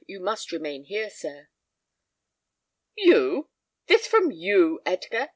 "You must remain here, sir." "You! This from you, Edgar!"